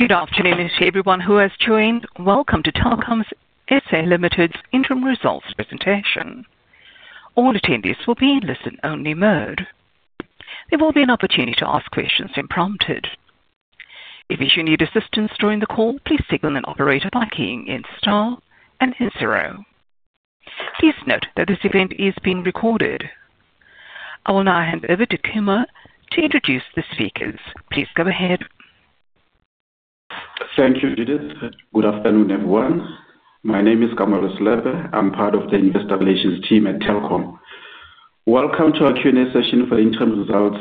Good afternoon, everyone who has joined. Welcome to Telkom's SA Limited interim results presentation. All attendees will be in listen-only mode. There will be an opportunity to ask questions when prompted. If you need assistance during the call, please signal an operator by keying in star and then zero. Please note that this event is being recorded. I will now hand over to Kamo to introduce the speakers. Please go ahead. Thank you, Judith. Good afternoon, everyone. My name is Kamohelo Selepe. I'm part of the investor relations team at Telkom. Welcome to our Q&A session for the interim results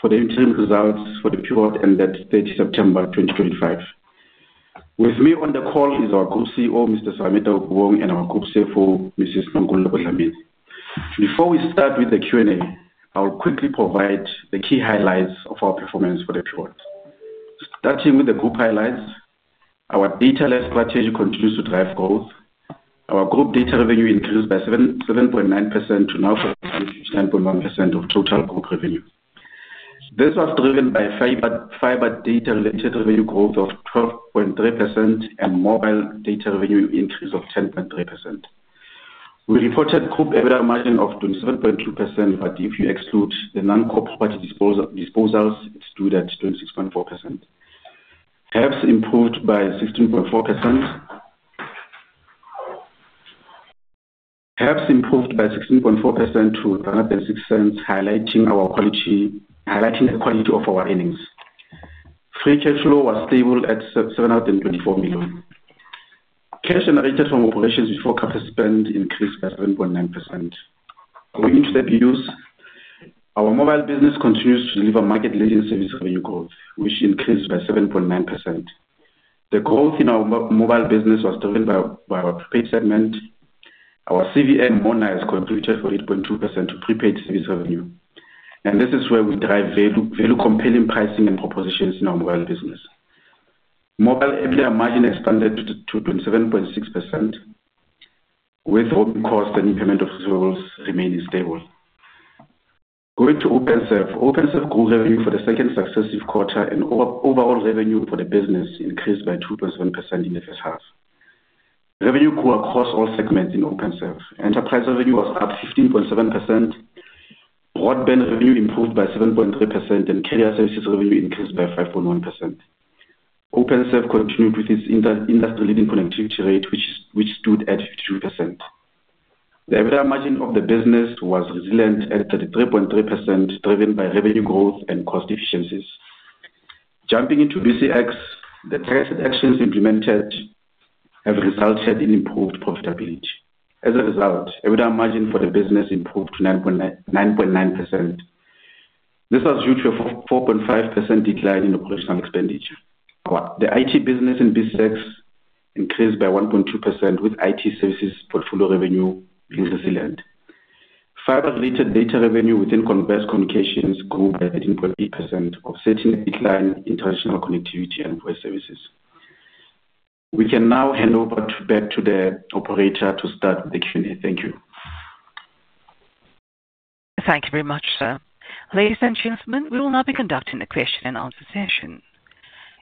for the period ended 30 September 2025. With me on the call is our Group CEO, Mr. Serame Taukobong, and our Group CFO, Mrs. Nonkululeko Dlamini. Before we start with the Q&A, I'll quickly provide the key highlights of our performance for the period. Starting with the group highlights, our data-led strategy continues to drive growth. Our group data revenue increased by 7.9% to now 45.1% of total group revenue. This was driven by fibre data-related revenue growth of 12.3% and mobile data revenue increase of 10.3%. We reported group EBITDA margin of 27.2%, but if you exclude the non-core property disposals, it stood at 26.4%. Have improved by 16.4%. Have improved by 16.4% to 1.36, highlighting our quality of our earnings. Free cash flow was stable at 724 million. Cash generated from operations before capital spend increased by 7.9%. Going into the PUs, our mobile business continues to deliver market-led service revenue growth, which increased by 7.9%. The growth in our mobile business was driven by our prepaid segment. Our CVM monthly has contributed 48.2% to prepaid service revenue. This is where we drive value-compelling pricing and propositions in our mobile business. Mobile EBITDA margin expanded to 27.6%, with cost and implement of results remaining stable. Going to Openserve, Openserve grew revenue for the second successive quarter, and overall revenue for the business increased by 2.7% in the first half. Revenue grew across all segments in Openserve. Enterprise revenue was up 15.7%. Broadband revenue improved by 7.3%, and carrier services revenue increased by 5.1%. Openserve continued with its industry-leading connectivity rate, which stood at 52%. The EBITDA margin of the business was resilient at 33.3%, driven by revenue growth and cost efficiencies. Jumping into BCX, the targeted actions implemented have resulted in improved profitability. As a result, EBITDA margin for the business improved to 9.9%. This was due to a 4.5% decline in operational expenditure. The IT business in BCX increased by 1.2%, with IT services portfolio revenue being resilient. Fibre-related data revenue within conveyance communications grew by 13.8%, offsetting the decline in international connectivity and voice services. We can now hand over back to the operator to start with the Q&A. Thank you. Thank you very much, sir. Ladies and gentlemen, we will now be conducting a question-and-answer session.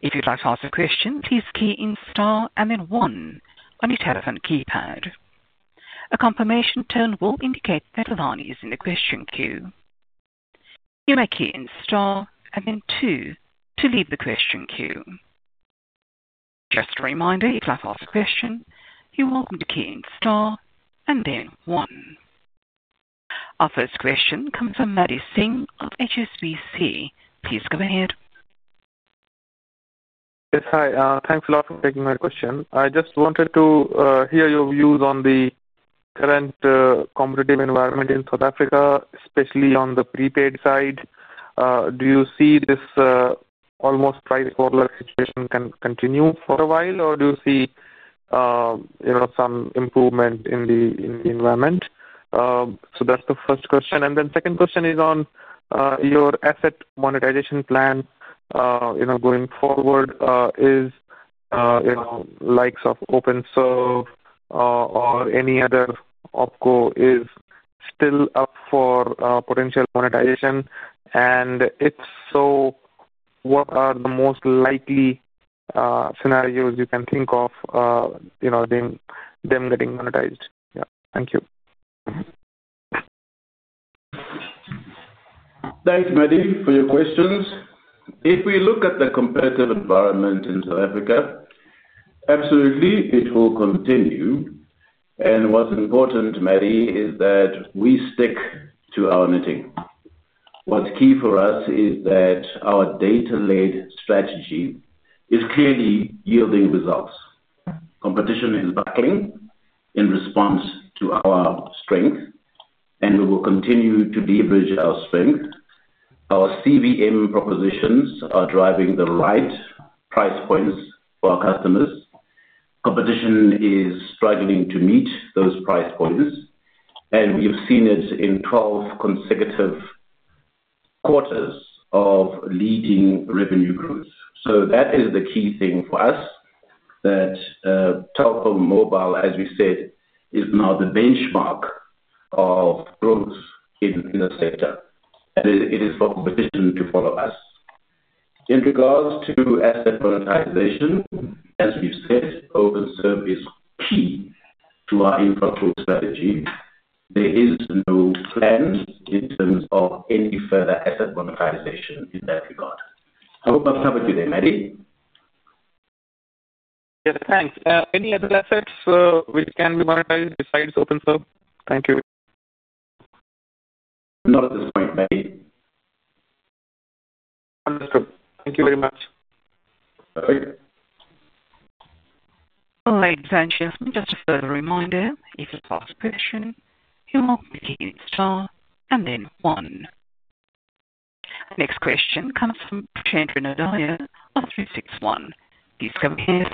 If you'd like to ask a question, please key in star and then one on your telephone keypad. A confirmation tone will indicate that [Dlamini] is in the question queue. You may key in star and then two to leave the question queue. Just a reminder, if you'd like to ask a question, you're welcome to key in star and then one. Our first question comes from Maddie Singh of HSBC. Please go ahead. Yes, hi. Thanks a lot for taking my question. I just wanted to hear your views on the current competitive environment in South Africa, especially on the prepaid side. Do you see this almost price war-like situation can continue for a while, or do you see some improvement in the environment? That is the first question. The second question is on your asset monetization plan going forward. Is the likes of Openserve or any other opco still up for potential monetization? If so, what are the most likely scenarios you can think of them getting monetized? Yeah, thank you. Thanks, Maddie, for your questions. If we look at the competitive environment in South Africa, absolutely, it will continue. What is important, Maddie, is that we stick to our knitting. What is key for us is that our data-led strategy is clearly yielding results. Competition is buckling in response to our strength, and we will continue to leverage our strength. Our CVM propositions are driving the right price points for our customers. Competition is struggling to meet those price points, and we have seen it in 12 consecutive quarters of leading revenue growth. That is the key thing for us, that Telkom Mobile, as we said, is now the benchmark of growth in the sector. It is for competition to follow us. In regards to asset monetization, as we have said, Openserve is key to our infrastructure strategy. There is no plan in terms of any further asset monetization in that regard. I hope I've covered you there, Maddie. Yes, thanks. Any other assets which can be monetized besides Openserve? Thank you. Not at this point, Maddie. Understood. Thank you very much. Perfect. All right, thank you. Just a further reminder, if you'd like to ask a question, you're welcome to key in star and then one. Next question comes from Preshendran Odayar of 36ONE. Please come here.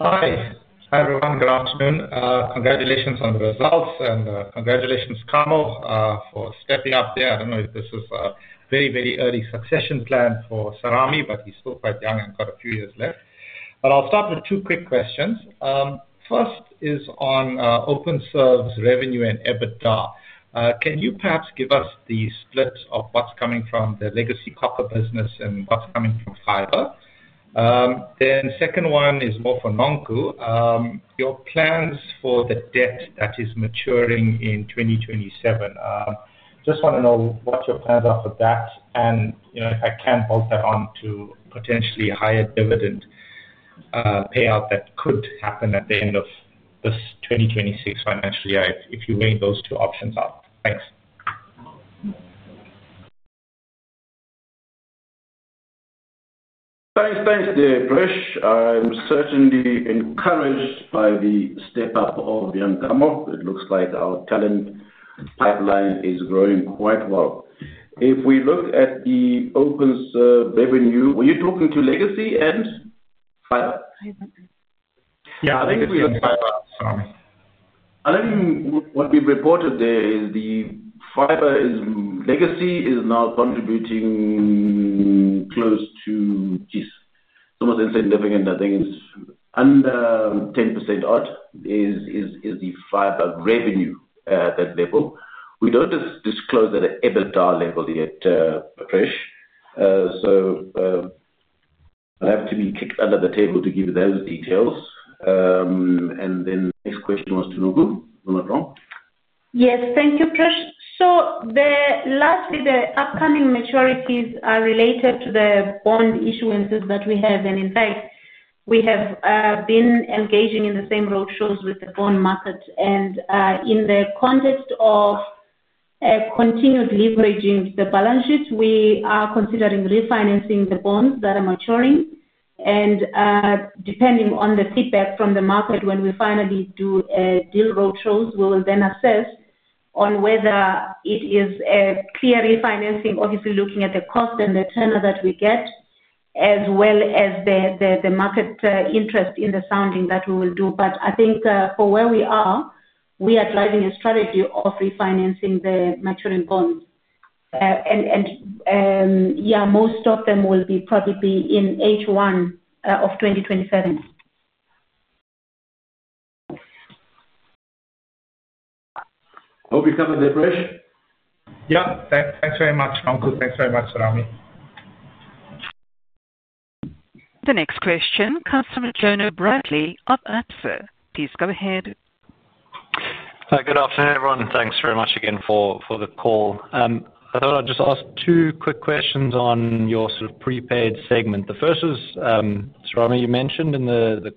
Hi. Hi, everyone. Good afternoon. Congratulations on the results, and congratulations, Kamo, for stepping up there. I do not know if this is a very, very early succession plan for Serame, but he is still quite young and got a few years left. I will start with two quick questions. First is on Openserve's revenue and EBITDA. Can you perhaps give us the split of what is coming from the legacy copper business and what is coming from fiber? The second one is more for Nonku. Your plans for the debt that is maturing in 2027. Just want to know what your plans are for that, and if I can bolt that on to potentially a higher dividend payout that could happen at the end of this 2026 financial year, if you weigh those two options up. Thanks. Thanks, thanks, Presh. I'm certainly encouraged by the step-up of Yan Kamo. It looks like our talent pipeline is growing quite well. If we look at the Openserve revenue, were you talking to legacy and fiber? Yeah, I think we looked at fibre. I think what we reported there is the fiber is legacy is now contributing close to this. It's almost insignificant. I think it's under 10% odd is the fiber revenue at that level. We don't disclose at the EBITDA level yet, Presh. I'll have to be kicked under the table to give those details. The next question was to Nonku. You're not wrong. Yes, thank you, Presh. Lastly, the upcoming maturities are related to the bond issuances that we have. In fact, we have been engaging in the same roadshows with the bond market. In the context of continued leveraging the balance sheet, we are considering refinancing the bonds that are maturing. Depending on the feedback from the market, when we finally do a deal roadshows, we will then assess whether it is a clear refinancing, obviously looking at the cost and the tenor that we get, as well as the market interest in the sounding that we will do. I think for where we are, we are driving a strategy of refinancing the maturing bonds. Most of them will be probably in H1 of 2027. Hope you're covered, Presh. Yeah, thanks very much, Nonku. Thanks very much, Serame. The next question, Jono Bradley of Absa. Please go ahead. Hi, good afternoon, everyone. Thanks very much again for the call. I thought I'd just ask two quick questions on your sort of prepaid segment. The first is, Serame, you mentioned in the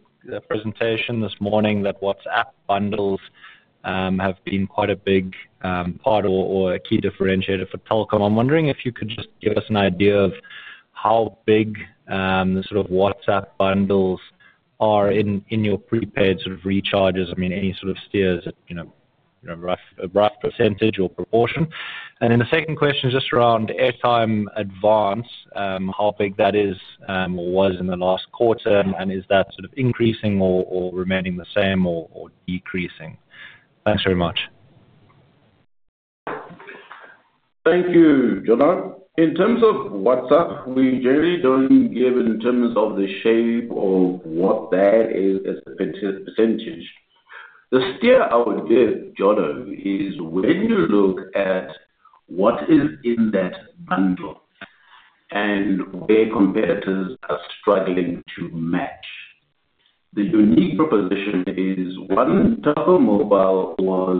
presentation this morning that WhatsApp bundles have been quite a big part or a key differentiator for Telkom. I'm wondering if you could just give us an idea of how big the sort of WhatsApp bundles are in your prepaid sort of recharges. I mean, any sort of steers, a rough percentage or proportion. The second question is just around airtime advance, how big that is or was in the last quarter, and is that sort of increasing or remaining the same or decreasing? Thanks very much. Thank you, Jono. In terms of WhatsApp, we generally do not give in terms of the shape of what that is as a percentage. The steer I would give, Jono, is when you look at what is in that bundle and where competitors are struggling to match. The unique proposition is, one, Telkom Mobile was,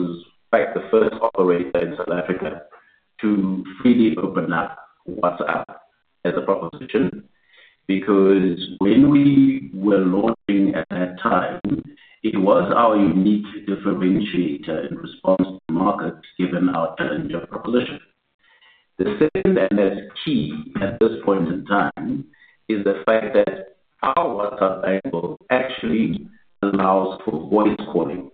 in fact, the first operator in South Africa to freely open up WhatsApp as a proposition because when we were launching at that time, it was our unique differentiator in response to markets given our challenger proposition. The second and less key at this point in time is the fact that our WhatsApp bank book actually allows for voice calling,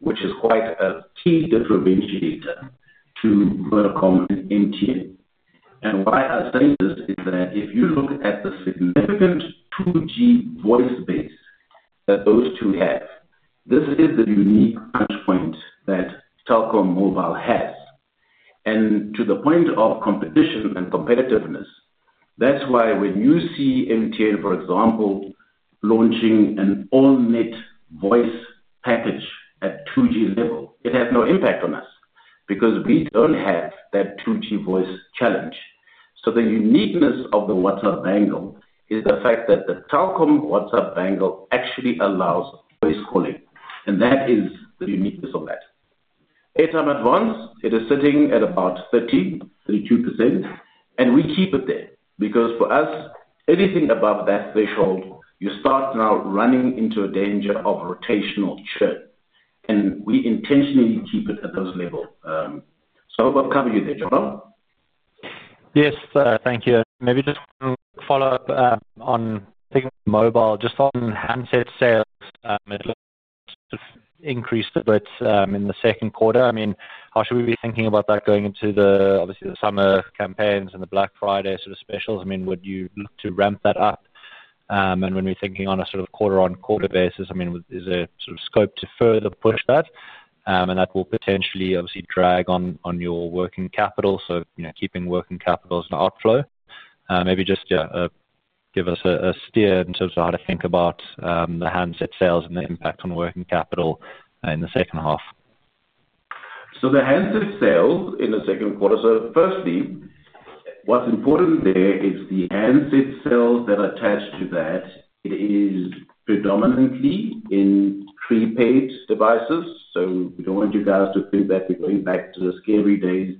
which is quite a key differentiator to Telkom and MTN. Why I say this is that if you look at the significant 2G voice base that those two have, this is the unique punch point that Telkom Mobile has. To the point of competition and competitiveness, that's why when you see MTN, for example, launching an all-net voice package at 2G level, it has no impact on us because we do not have that 2G voice challenge. The uniqueness of the WhatsApp bank book is the fact that the Telkom WhatsApp bank book actually allows voice calling. That is the uniqueness of that. Airtime advance, it is sitting at about 30%-32%. We keep it there because for us, anything above that threshold, you start now running into a danger of rotational churn. We intentionally keep it at those levels. I hope I have covered you there, Jono. Yes, thank you. Maybe just one follow-up on Telkom Mobile. Just on handset sales, it looks sort of increased a bit in the second quarter. I mean, how should we be thinking about that going into the, obviously, the summer campaigns and the Black Friday sort of specials? I mean, would you look to ramp that up? When we're thinking on a sort of quarter-on-quarter basis, I mean, is there sort of scope to further push that? That will potentially, obviously, drag on your working capital, so keeping working capital as an outflow. Maybe just give us a steer in terms of how to think about the handset sales and the impact on working capital in the second half. The handset sales in the second quarter, firstly, what's important there is the handset sales that are attached to that. It is predominantly in prepaid devices. We do not want you guys to think that we are going back to the scary days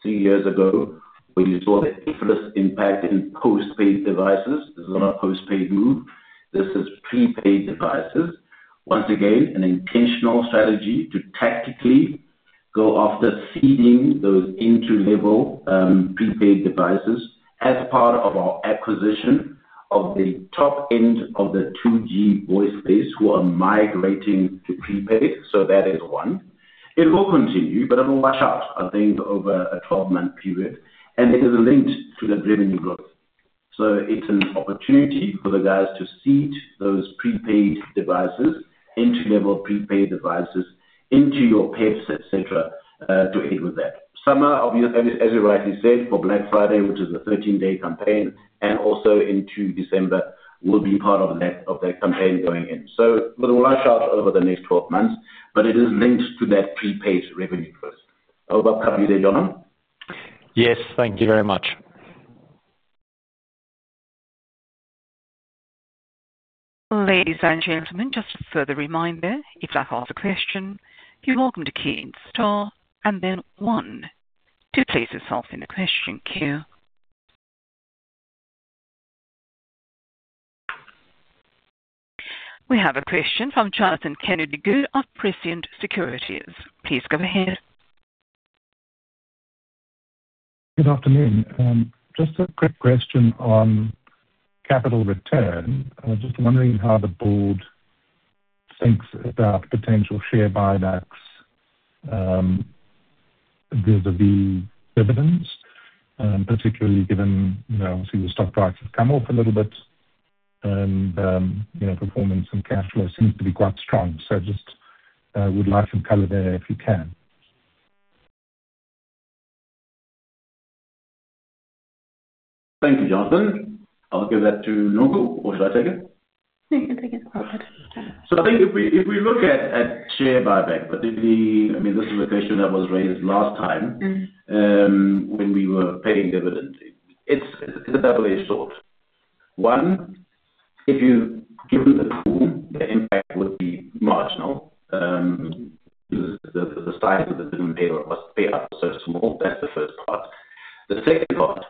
three years ago when you saw the infamous impact in postpaid devices. This is not a postpaid move. This is prepaid devices. Once again, an intentional strategy to tactically go after seeding those into entry-level prepaid devices as part of our acquisition of the top end of the 2G voice base who are migrating to prepaid. That is one. It will continue, but it will wash out, I think, over a 12-month period. It is linked to the revenue growth. It is an opportunity for the guys to seed those prepaid devices, entry-level prepaid devices into your pips, etc., to aid with that. Summer, as you rightly said, for Black Friday, which is the 13-day campaign, and also into December will be part of that campaign going in. It will wash out over the next 12 months, but it is linked to that prepaid revenue first. I hope I've covered you there, Jono. Yes, thank you very much. Ladies and gentlemen, just a further reminder, if I've asked a question, you're welcome to key in star and then one. Do place yourself in the question queue. We have a question from Jonathan Kennedy-Good of Prescient Securities. Please go ahead. Good afternoon. Just a quick question on capital return. Just wondering how the board thinks about potential share buybacks vis-à-vis dividends, particularly given obviously the stock price has come off a little bit and performance and cash flow seems to be quite strong. Just would like some color there if you can. Thank you, Jonathan. I'll give that to Nonku. What should I take it? Thank you. Take it. I think if we look at share buyback, I mean, this is a question that was raised last time when we were paying dividends. It's a double-edged sword. One, if you give them the pool, the impact would be marginal because the size of the dividend payout was so small. That's the first part. The second part is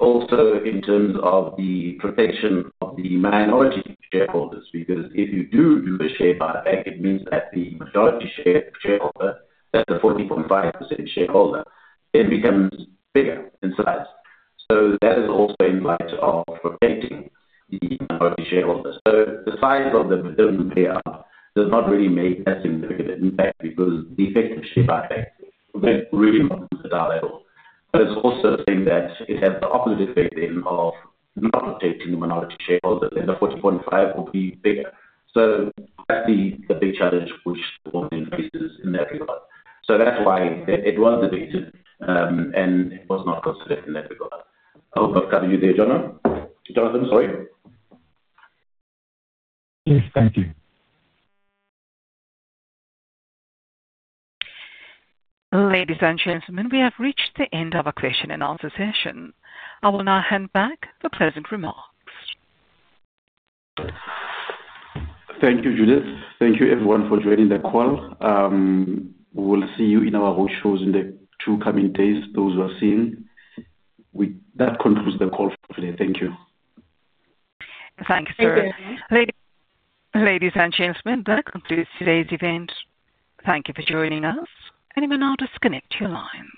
also in terms of the protection of the minority shareholders because if you do do a share buyback, it means that the majority shareholder, that's the 40.5% shareholder, it becomes bigger in size. That is also in light of protecting the minority shareholders. The size of the dividend payout does not really make that significant impact because the effect of share buyback, they're really not considered our level. It is also saying that it has the opposite effect of not protecting the minority shareholders, and the 40.5% will be bigger. That is the big challenge which the board increases in that regard. That is why it was debated and it was not considered in that regard. I hope I have covered you there, Jonathan. Jonathan, sorry. Yes, thank you. Ladies and gentlemen, we have reached the end of our question and answer session. I will now hand back the closing remarks. Thank you, Judith. Thank you, everyone, for joining the call. We'll see you in our roadshows in the two coming days, those who are seeing. That concludes the call for today. Thank you. Thanks, sir. Ladies and gentlemen, that concludes today's event. Thank you for joining us. You may now disconnect your line.